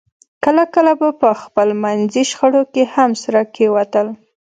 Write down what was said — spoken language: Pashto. کله کله به په خپلمنځي شخړو کې هم سره کېوتل